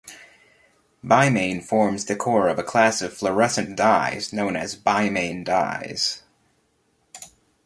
Bimane forms the core of a class of fluorescent dyes known as bimane dyes.